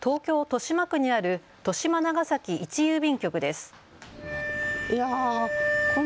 豊島区にある豊島長崎一郵便局です。